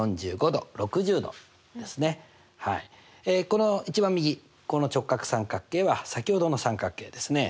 この一番右この直角三角形は先ほどの三角形ですね。